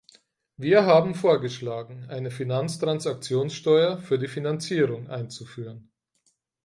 Wir haben vorgeschlagen, eine Finanztransaktionssteuer für die Finanzierung einzuführen.